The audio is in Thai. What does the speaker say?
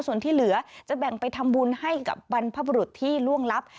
ส่วนที่เหลือจะแบ่งไปทำบุญให้กับบรรพบุรุษที่ล่วงลับ